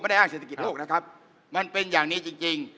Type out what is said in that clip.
ได้อ้างเศรษฐกิจโลกนะครับมันเป็นอย่างนี้จริงจริง